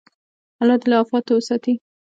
الله دې له افتونو وساتي.